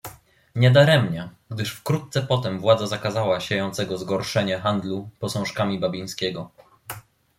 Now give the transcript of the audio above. "Nie daremnie, gdyż wkrótce potem władza zakazała siejącego zgorszenie handlu posążkami Babińskiego."